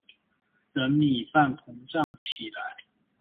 等米飯膨脹起來